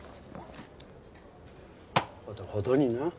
ほどほどにな。